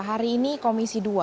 hari ini komisi dua